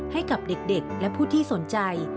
ให้กับเด็กและผู้ที่สนใจ